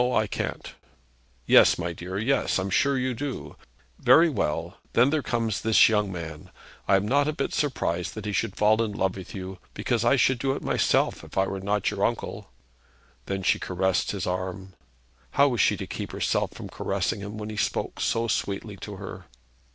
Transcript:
'No, I can't.' 'Yes, my dear, yes. I'm sure you do. Very well. Then there comes this young man. I am not a bit surprised that he should fall in love with you because I should do it myself if I were not your uncle.' Then she caressed his arm. How was she to keep herself from caressing him, when he spoke so sweetly to her?